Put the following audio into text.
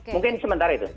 mungkin sementara itu